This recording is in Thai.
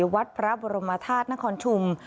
วัดพระบรมธาตุนครชุม